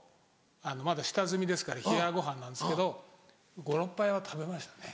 まだ下積みですから冷やご飯なんですけど５６杯は食べましたね。